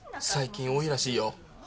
最近多いらしいよ。